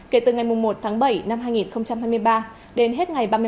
kể từ ngày một bảy hai nghìn hai mươi ba đến hết ngày ba mươi một một mươi hai hai nghìn hai mươi ba